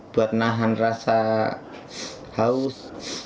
buat nahan rasa haus